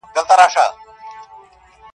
غوټه چي په لاس خلاصيږي غاښ ته څه حاجت دى.